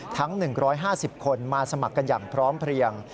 ทั้ง๑๕๐คนมาสมัครกันอย่างพร้อมเพลียง